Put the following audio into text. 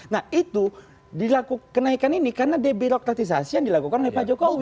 nah itu dilakukan kenaikan ini karena debirokratisasi yang dilakukan oleh pak jokowi